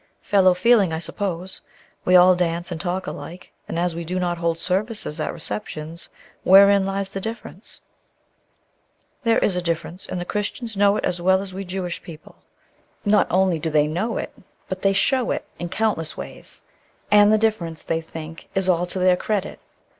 "Fellow feeling, I suppose. We all dance and talk alike; and as we do not hold services at receptions, wherein lies the difference?" "There is a difference; and the Christians know it as well as we Jewish people. Not only do they know it, but they show it in countless ways; and the difference, they think, is all to their credit.